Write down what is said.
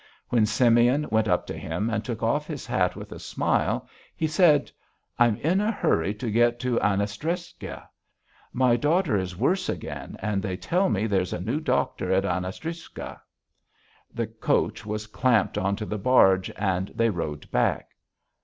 When Simeon went up to him and took off his hat with a smile he said: "I'm in a hurry to get to Anastasievka. My daughter is worse again and they tell me there's a new doctor at Anastasievka." The coach was clamped onto the barge and they rowed back.